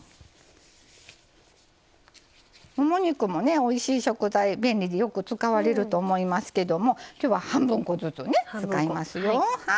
もも肉もおいしい食材便利で、よく使われると思いますけど今日は半分こずつ使いますよ。